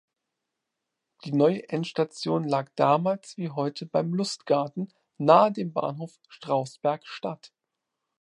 Die neue Endstation lag damals wie heute beim "Lustgarten" nahe dem Bahnhof "Strausberg Stadt".